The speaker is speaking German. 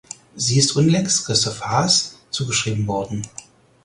Sie ist unlängst Christoph Haas zugeschrieben worden.